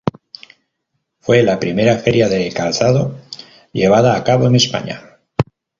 Fue la primera feria de calzado llevada a cabo en España.